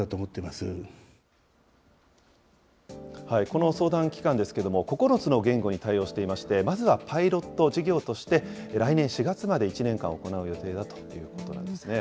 この相談機関ですけれども、９つの言語に対応していまして、まずはパイロット事業として、来年４月まで１年間行う予定だということなんですね。